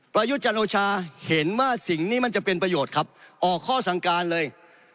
ประยุทธ์จันโอชาเห็นว่าสิ่งนี้มันจะเป็นประโยชน์ครับออกข้อสั่งการเลย